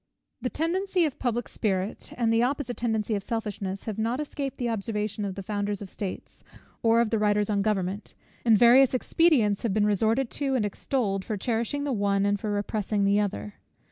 The tendency of public spirit, and the opposite tendency of selfishness, have not escaped the observation of the founders of states, or of the writers on government; and various expedients have been resorted to and extolled, for cherishing the one, and for repressing the other.